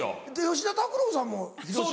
吉田拓郎さんも広島。